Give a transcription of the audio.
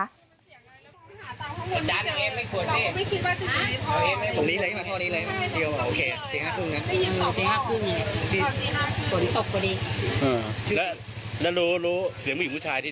อันนี้คือตามจริงนะครับคือมันเสียงอะไร